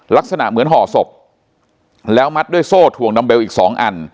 ลักษณะเหมือนห่อศพแล้วมัดด้วยโซ่ถวงดัมเบลอีกสองอัน